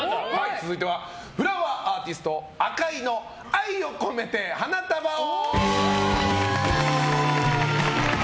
続いてはフラワーアーティスト赤井の愛を込めて花束を！